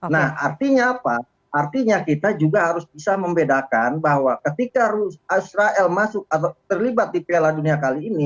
nah artinya apa artinya kita juga harus bisa membedakan bahwa ketika israel masuk atau terlibat di piala dunia kali ini